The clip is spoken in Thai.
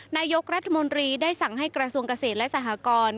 นายกรัฐมนตรีได้สั่งให้กระทรวงเกษตรและสหกร